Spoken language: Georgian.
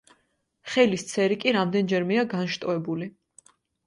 ხელის ცერი კი რამდენჯერმეა განშტოებული.